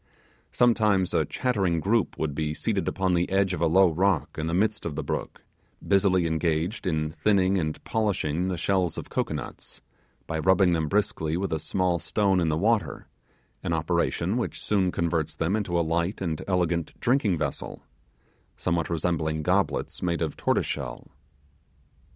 Sometimes a chattering group would be seated upon the edge of a low rock in the midst of the brook, busily engaged in thinning and polishing the shells of cocoanuts, by rubbing them briskly with a small stone in the water, an operation which soon converts them into a light and elegant drinking vessel, somewhat resembling goblets made of tortoise shell.